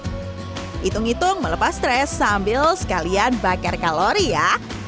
hitung hitung melepas stres sambil sekalian bakar kalori ya